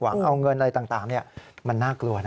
เอาเงินอะไรต่างมันน่ากลัวนะ